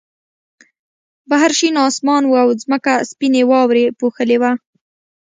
بهر شین آسمان و او ځمکه سپینې واورې پوښلې وه